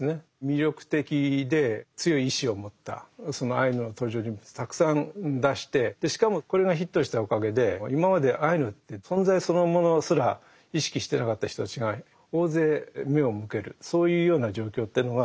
魅力的で強い意志を持ったそのアイヌの登場人物たくさん出してしかもこれがヒットしたおかげで今までアイヌって存在そのものすら意識してなかった人たちが大勢目を向けるそういうような状況というのが出てきたってことは確かです。